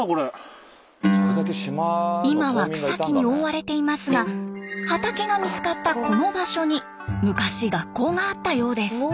今は草木に覆われていますが畑が見つかったこの場所に昔学校があったようです。